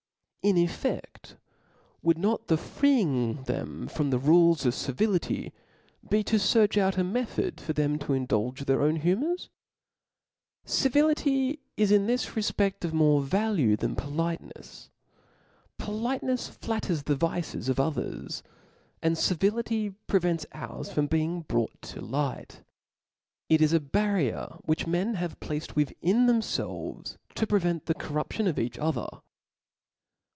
In efe£t, would not the freeing them from the rules of civility, b^ to fearch out a method for them to indulge thrii own humours ?' Civility is iri this rcfpeft of more valcie thart politcnefs. Folitenefs Batters the vices of others, and civility prevents ours from being brought to light. It is a barrier which men have placed within themfelves to prevent the corruption of each other.